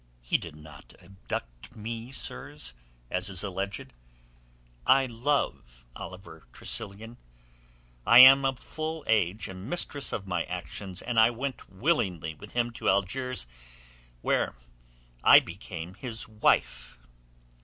"He did not abduct me, sirs, as is alleged. I love Oliver Tressilian. I am of full age and mistress of my actions, and I went willingly with him to Algiers where I became his wife."